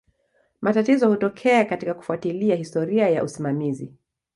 Matatizo hutokea katika kufuatilia historia ya usimamizi.